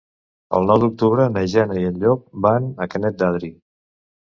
El nou d'octubre na Jana i en Llop van a Canet d'Adri.